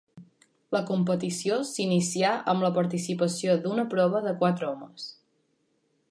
La competició s'inicià amb la participació d'una prova de quatre homes.